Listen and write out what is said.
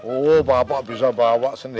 oh bapak bisa bawa sendiri